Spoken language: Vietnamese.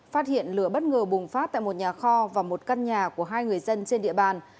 phát hiện lửa bất ngờ bùng phát tại một nhà kho và một căn nhà của hai người dân trên địa bàn